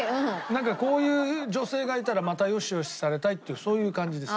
なんかこういう女性がいたらまたよしよしされたいっていうそういう感じです。